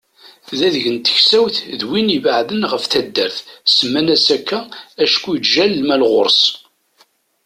D adeg n teksawt d win ibeεden ɣef taddart, semman-as akka acku yettjal lmal ɣur-s.